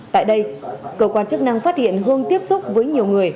tại đây cơ quan chức năng phát hiện hương tiếp xúc với nhiều người